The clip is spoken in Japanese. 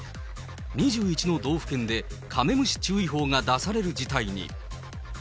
２１の道府県で、カメムシ注意報が出される事態に。